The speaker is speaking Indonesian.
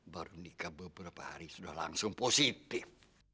baru nikah beberapa hari sudah langsung positif